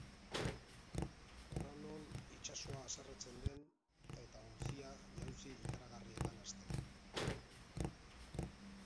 Horra non itsasoa haserretzen den eta ontzia jauzi ikaragarrietan hasten.